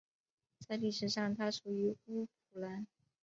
在历史上它属于乌普兰。